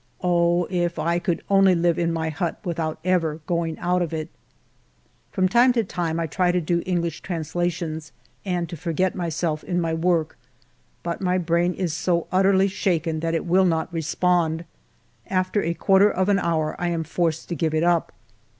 Oh, if I could only live in my hut without ever going out of it ! From time to time I try to do English trans lations, and to forget myself in my work. But ii6 FIVE YEARS OF MY LIFE my brain is so utterly shaken that it will not re spond ; after a quarter of an hour I am forced to give it up.